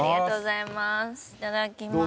いただきます。